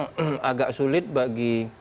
sudah sulit bagi